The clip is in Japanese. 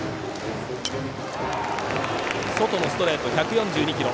外のストレート、１４２キロ。